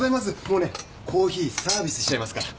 もうねコーヒーサービスしちゃいますから。